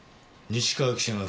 西川記者が！？